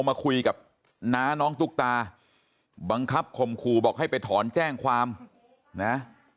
มาคุยกับน้าน้องตุ๊กตาบังคับข่มขู่บอกให้ไปถอนแจ้งความนะ